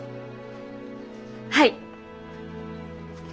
はい！